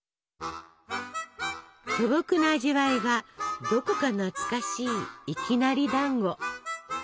素朴な味わいがどこか懐かしいいきなりだんご。